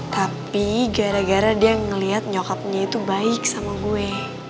tapi gara gara dia ngeliat nyokapnya itu baik sama gue